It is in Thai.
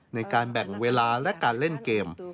ในการแบ่งเวลาและการเล่นเกม